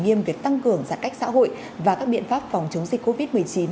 nghiêm việc tăng cường giãn cách xã hội và các biện pháp phòng chống dịch covid một mươi chín